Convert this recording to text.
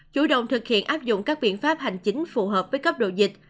chủ động thực hiện áp dụng các biện pháp hành chính phù hợp với cấp độ dịch